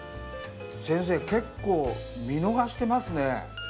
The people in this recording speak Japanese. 先生結構見逃してますね。